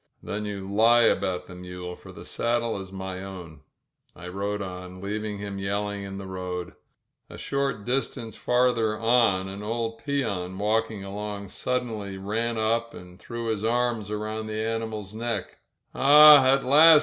"Then you lie about the mule, for the saddle is my own." I rode on, leaving him yelling in the road. A short distance farther on an old peon walking along suddenly ran up and threw his arms around the ani mal's neck. "Ah, at last